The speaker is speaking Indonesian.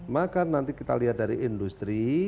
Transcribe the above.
maka nanti kita lihat dari industri